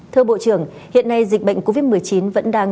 thưa bộ trưởng hiện nay dịch bệnh covid một mươi chín vẫn đang